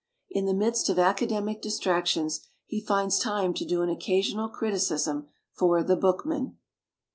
In the midst of academic distractions, he finds time to do an oc casional criticism for The Bookman.